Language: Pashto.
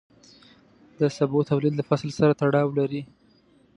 د سبو تولید له فصل سره تړاو لري.